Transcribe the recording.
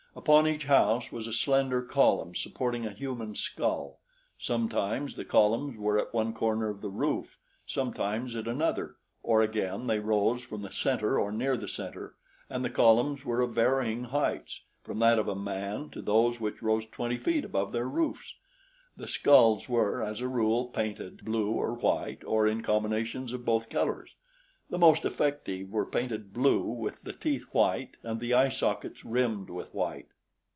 Upon each house was a slender column supporting a human skull. Sometimes the columns were at one corner of the roof, sometimes at another, or again they rose from the center or near the center, and the columns were of varying heights, from that of a man to those which rose twenty feet above their roofs. The skulls were, as a rule, painted blue or white, or in combinations of both colors. The most effective were painted blue with the teeth white and the eye sockets rimmed with white.